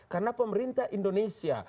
karena pemerintah indonesia